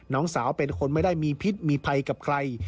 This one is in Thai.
น้องสาวเป็นคนไม่ได้มีพิษมีภัยกับใคร